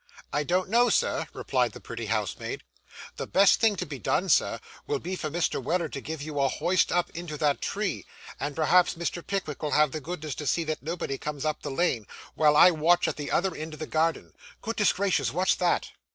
'I don't know, sir,' replied the pretty housemaid. 'The best thing to be done, sir, will be for Mr. Weller to give you a hoist up into the tree, and perhaps Mr. Pickwick will have the goodness to see that nobody comes up the lane, while I watch at the other end of the garden. Goodness gracious, what's that?